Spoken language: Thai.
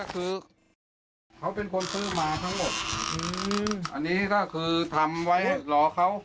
คือทำไว้รอเขา